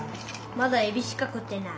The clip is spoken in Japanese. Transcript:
まだえびしか食ってない。